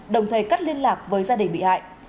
đồng thời cắt liên lạc với gia đình bị hại